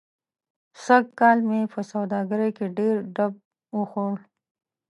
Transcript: سږ کال مې په سوادګرۍ کې ډېر ډب و خوړ.